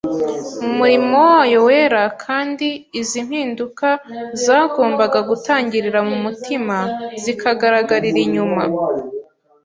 mu murimo wayo wera kandi izi mpinduka zagombaga gutangirira mu mutima zikagaragarira inyuma.